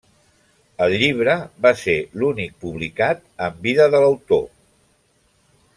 El llibre va ser l'únic publicat en vida de l'autor.